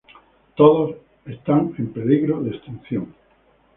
Todas son en peligro de extinción.